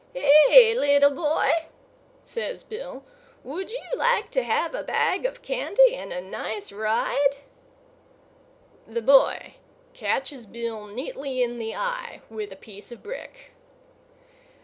"Hey, little boy!" says Bill, "would you like to have a bag of candy and a nice ride?" The boy catches Bill neatly in the eye with a piece of brick.